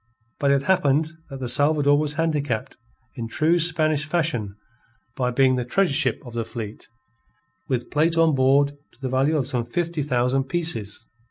But it happened that the Salvador was handicapped in true Spanish fashion by being the treasure ship of the fleet, with plate on board to the value of some fifty thousand pieces.